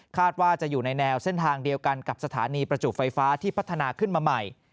ว่าจะอยู่ในแนวเส้นทางเดียวกันกับสถานีประจุไฟฟ้าที่พัฒนาขึ้นมาใหม่